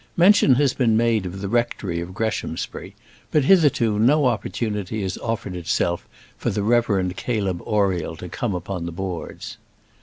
Mention has been made of the rectory of Greshamsbury; but, hitherto, no opportunity has offered itself for the Rev Caleb Oriel to come upon the boards.